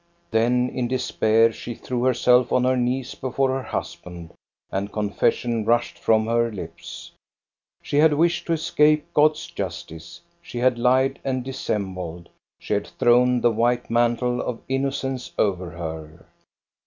Then in despair she threw herself on her knees before her husband and confession rushed from her lips. She had wished to escape God's justice. She had lied and dissembled. She had thrown the white mantle of innocence over her.